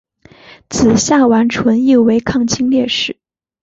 子夏完淳亦为抗清烈士。